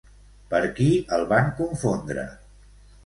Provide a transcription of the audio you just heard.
Per qui el van confondre?